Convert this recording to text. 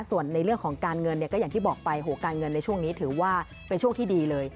ส่วนในเรื่องของการเงินเนี่ยก็อย่างที่บอกไปการเงินในช่วงนี้ถือว่าเป็นช่วงที่ดีเลย